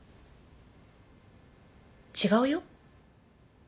違うよ。